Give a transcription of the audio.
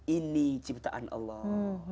ini ciptaan allah